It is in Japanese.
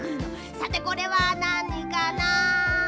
さてこれはなにかな？